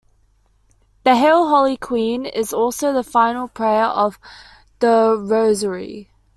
The "Hail Holy Queen" is also the final prayer of the Rosary.